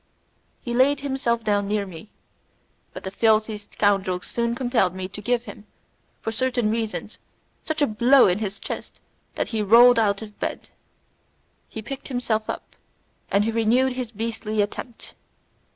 He laid himself down near me, but the filthy scoundrel soon compelled me to give him, for certain reasons, such a blow in his chest that he rolled out of bed. He picked himself up, and renewed his beastly attempt.